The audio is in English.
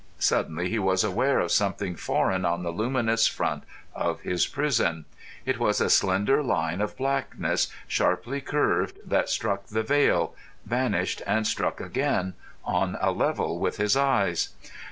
Suddenly he was aware of something foreign on the luminous front of his prison. It was a slender line of blackness, sharply curved, that struck the veil, vanished, and struck again on a level with his eyes.